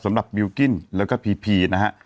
สำหรับบิวกิ้นแล้วก็พีพีนะฮะ